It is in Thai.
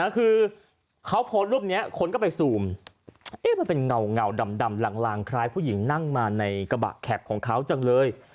คือเขาโพสต์รูปนี้คนก็ไปซูมมันเป็นเงาดำลางคล้ายผู้หญิงนั่งมาในกระบะแข็บของเขาจังเลย